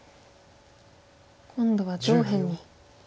今度は上辺に。